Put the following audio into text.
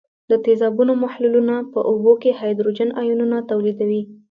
د تیزابونو محلولونه په اوبو کې هایدروجن آیونونه تولیدوي.